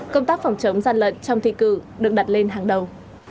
công tác phòng chống gian lận trong thi cử được đặt lên hàng đầu